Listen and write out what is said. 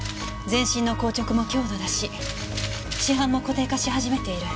全身の硬直も強度だし死斑も固定化し始めている。